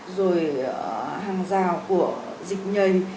rồi hàng rào của dịch nhầy